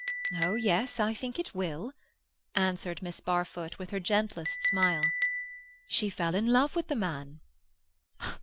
"Oh yes, I think it will," answered Miss Barfoot, with her gentlest smile. "She fell in love with the man."